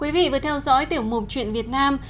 quý vị vừa theo dõi tiểu mục chuyện việt nam